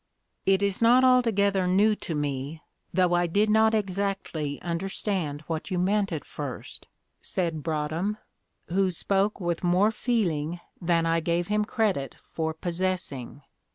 "It is not altogether new to me, though I did not exactly understand what you meant at first," said Broadhem, who spoke with more feeling than I gave him credit for possessing.